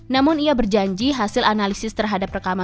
namun ia berjanji hasil analisis terhadap rekaman